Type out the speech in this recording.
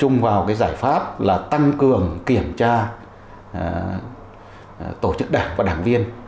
chúng tôi tập trung vào cái giải pháp là tăng cường kiểm tra tổ chức đảng và đảng viên